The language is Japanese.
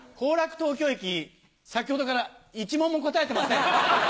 東京駅先ほどから１問も答えてません。